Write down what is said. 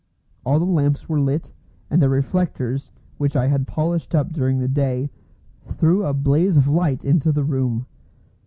All the lamps were lit, and their reflectors, which I had polished up during the day, threw a blaze of light into the room.